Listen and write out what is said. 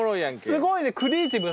すごいな！